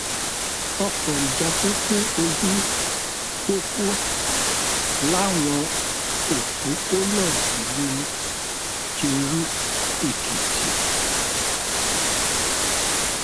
Ọkọ̀ ìjagun kún ojú pópó láwọn òpópónà ìlu Ìjerò Èkìtì